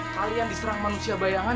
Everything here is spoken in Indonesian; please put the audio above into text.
kalian diserang manusia bayangan